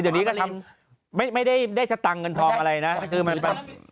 โปรโท้เซพฟเลยไหมครับว่าเป็นอาจารย์แบบ